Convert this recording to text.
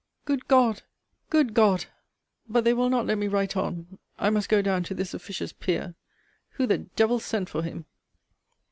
Good God! Good God! But they will not let me write on. I must go down to this officious Peer Who the devil sent for him?